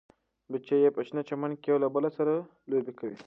بچي یې په شنه چمن کې یو له بل سره لوبې کوي.